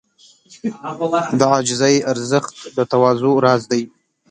د عاجزۍ ارزښت د تواضع راز دی.